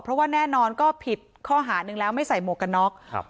เพราะว่าแน่นอนก็ผิดข้อหาหนึ่งแล้วไม่ใส่หมวกกันน็อกครับ